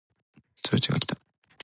通知が来た